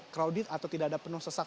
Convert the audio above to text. crowded atau tidak ada penuh sesak